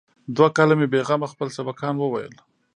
دوه کاله مې بې غمه خپل سبقان وويل.